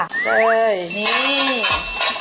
เฮ้ยนี่